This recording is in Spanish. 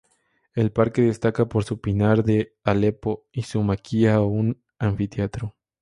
El parque destaca por su pinar de Aleppo y su maquia o un anfiteatro.